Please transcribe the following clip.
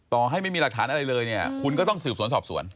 ต่อให้ไม่มีหลักฐานอะไรเลยเนี่ยคุณก็ต้องสืบสวนสอบสวน